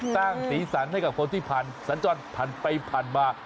ตั้งสีสันให้กับคนที่พันสันจนพันไปพันมา